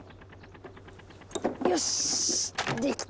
よしできた！